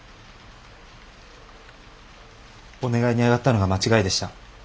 お願いに上がったのが間違いでした。